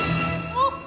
おっ！